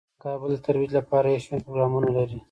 افغانستان د کابل د ترویج لپاره یو شمیر پروګرامونه لري.